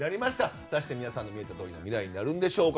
果たして皆さんのみえたとおりの未来になるんでしょうか。